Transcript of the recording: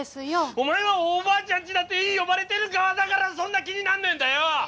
お前は「おばあちゃんちだ」って呼ばれてる側だからそんな気になんねえんだよ！